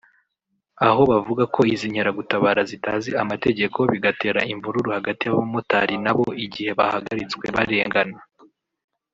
Aho bavuga ko izi nkeragutabara zitazi amategeko bigatera imvururu hagati y’abamotari nabo igihe bahagaritswe barengana